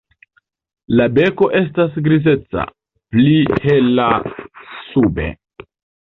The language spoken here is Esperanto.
La beko estas grizeca, pli hela sube.